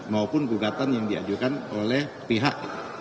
maupun gugatan yang diajukan oleh pihak